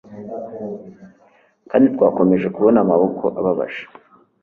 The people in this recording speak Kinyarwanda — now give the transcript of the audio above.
Kandi twakomeje kubona amaboko ababaje